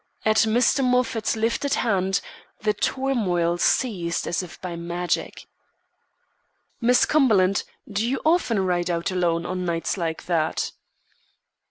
At Mr. Moffat's lifted hand, the turmoil ceased as if by magic. "Miss Cumberland, do you often ride out alone on nights like that?"